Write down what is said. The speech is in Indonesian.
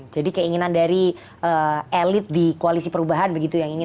jadi keinginan dari elit di koalisi perubahan begitu yang ingin